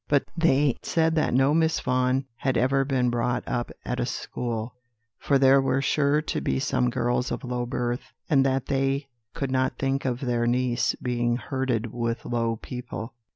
But they said that no Miss Vaughan had ever been brought up at a school, for there were sure to be some girls of low birth, and that they could not think of their niece being herded with low people.